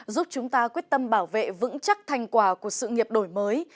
giúp chúng ta quyết tâm bảo vệ vững chắc thành quả của sự nghiệp đổi mới